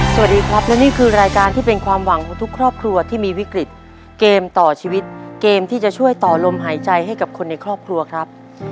สวัสดีครับและนี่คือรายการที่เป็นความหวังของทุกครอบครัวที่มีวิกฤตเกมต่อชีวิตเกมที่จะช่วยต่อลมหายใจให้กับคนในครอบครัวครับ